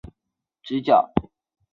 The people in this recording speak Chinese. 新的建筑和凯撒广场成为直角。